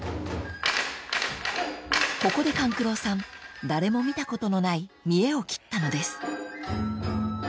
［ここで勘九郎さん誰も見たことのない見えを切ったのです］